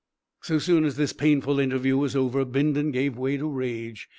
So soon as this painful interview was over, Bindon gave way to rage.